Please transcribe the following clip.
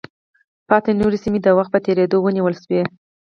پاتې نورې سیمې د وخت په تېرېدو ونیول شوې.